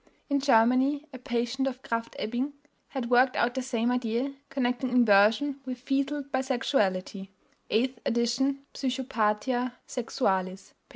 In Germany a patient of Krafft Ebing had worked out the same idea, connecting inversion with fetal bisexuality (eighth edition Psychopathia Sexualis, p.